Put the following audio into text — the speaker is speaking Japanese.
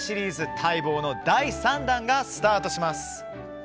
待望の第３弾がスタートします。